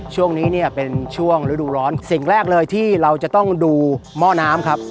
ช่วงนี้เป็นลูกรสสิ่งแรกเลยที่เราจะต้องดูหม้อน้ำ